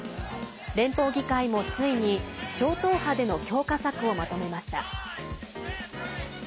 連邦議会もついに超党派での強化策をまとめました。